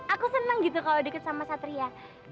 aku senang gitu kalau deket sama satria